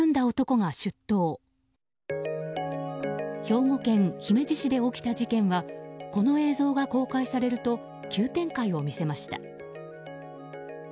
兵庫県姫路市で起きた事件はこの映像が公開されると急展開を見せました。